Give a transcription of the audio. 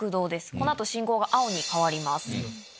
この後信号が青に変わります。